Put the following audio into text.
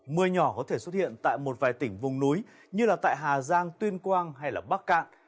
mưa nhỏ có thể xuất hiện tại một vài tỉnh vùng núi như là tại hà giang tuyên quang hay bắc cạn